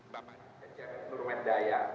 saya pak menteri rumah daya